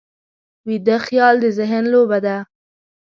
ویده خیال د ذهن لوبه ده